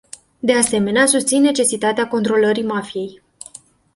De asemenea, susțin necesitatea controlării mafiei.